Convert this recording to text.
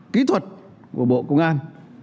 kỹ thuật của bộ công an